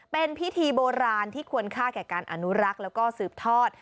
เป็นพิธีโบราณที่ควรค่าแก่การอนุรักษ์แล้วก็สืบทอด